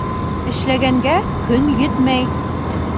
Эшләгәнгә көн етмәй.